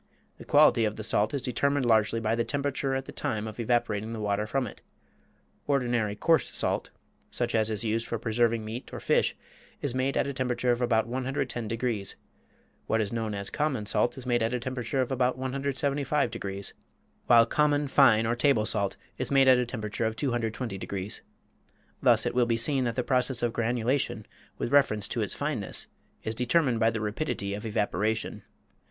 The quality of the salt is determined largely by the temperature at the time of evaporating the water from it. Ordinary coarse salt, such as is used for preserving meat or fish, is made at a temperature of about 110 degrees; what is known as common salt is made at a temperature of about 175 degrees; while common fine or table salt is made at a temperature of 220 degrees. Thus it will be seen that the process of granulation with reference to its fineness is determined by the rapidity of evaporation.